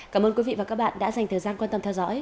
cảm ơn quý vị và các bạn đã dành thời gian quan tâm theo dõi